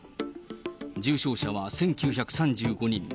重症者は１９３５人。